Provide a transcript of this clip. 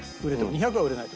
２００は売れないと。